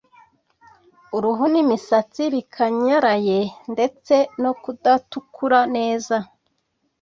uruhu n’imisatsi bikanyaraye ndetse no kudakura neza